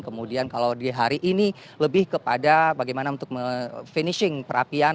kemudian kalau di hari ini lebih kepada bagaimana untuk finishing perapian